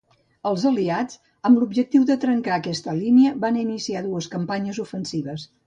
Els Aliats, amb l'objectiu de trencar aquesta línia, van iniciar dues campanyes ofensives.